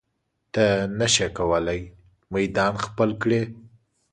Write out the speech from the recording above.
ته نشې کولی میدان خپل کړې.